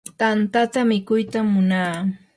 tantata mikuytam munapaa.